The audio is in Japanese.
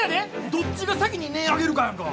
どっちが先に音ぇ上げるかやんか。